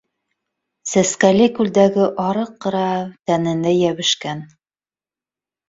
Сәскәле күлдәге арыҡ ҡыра тәненә йәбешкән